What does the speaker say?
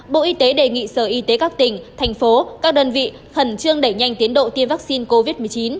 bộ y tế đề nghị sở y tế các tỉnh thành phố các đơn vị khẩn trương đẩy nhanh tiến độ tiêm vaccine covid một mươi chín